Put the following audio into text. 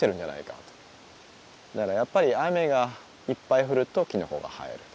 やっぱり雨がいっぱい降るときのこが生えると。